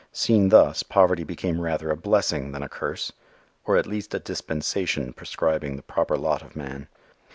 Seen thus poverty became rather a blessing than a curse, or at least a dispensation prescribing the proper lot of man.